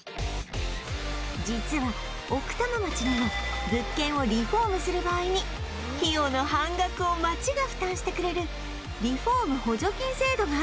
実は奥多摩町にも物件をリフォームする場合に費用の半額を町が負担してくれるリフォーム補助金制度があるんです